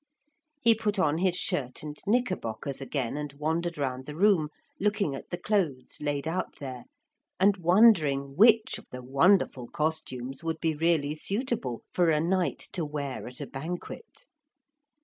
He put on his shirt and knickerbockers again, and wandered round the room looking at the clothes laid out there, and wondering which of the wonderful costumes would be really suitable for a knight to wear at a banquet.